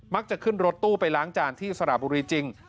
จะขึ้นรถตู้ไปล้างจานที่สระบุรีจริง